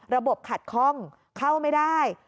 ระบบขัดคล่องเข้าไม่ได้